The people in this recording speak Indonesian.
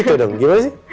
gitu dong gimana sih